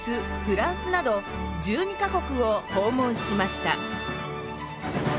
フランスなど１２か国を訪問しました。